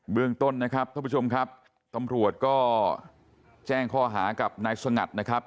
เรื่องต้นนะครับท่านผู้ชมครับตำรวจก็แจ้งข้อหากับนายสงัดนะครับ